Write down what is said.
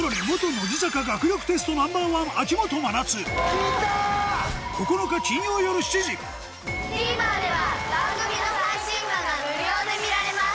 さらにＴＶｅｒでは番組の最新話が無料で見られます。